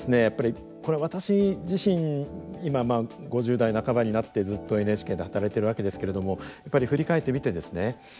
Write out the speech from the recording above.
やっぱりこれ私自身今まあ５０代半ばになってずっとＮＨＫで働いてるわけですけれどもやっぱり振り返ってみてですね